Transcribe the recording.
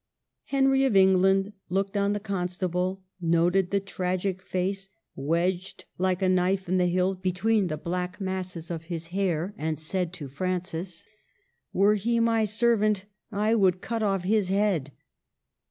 Henry of Eng land looked on the Constable, noted the tragic face, wedged like a knife in the hilt between the black masses of his hair, and said to Francis, " Were he my servant, I would cut off his head